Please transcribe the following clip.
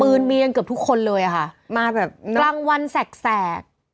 ปืนมีอย่างเกือบทุกคนเลยค่ะมาแบบรังวัลแสกแสก